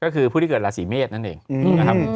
ก็คือผู้ที่เกิดลาศีเมษนั่นเองอืม